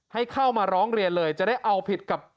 ให้เข้ามาร้องเรียนเลยจะได้เอาผิดกับ